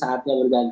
kemudian negarawan ya